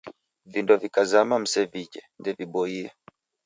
Vindo vikazama msevijhe, ndeviboie